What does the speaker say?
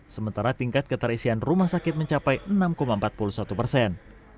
sementara tingkat keterisian rumah sakit mencapai enam empat puluh satu persen